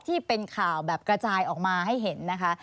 ที่เป็นข่าวแบบกระจายออกมาให้เห็นนะคะ